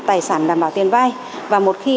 tài sản đảm bảo tiền vai và một khi